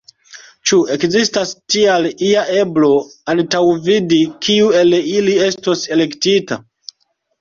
Ĉu ekzistas tial ia eblo antaŭvidi, kiu el ili estos elektita?